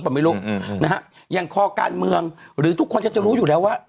ผมไม่รู้นะฮะอย่างคอการเมืองหรือทุกคนจะรู้อยู่แล้วว่า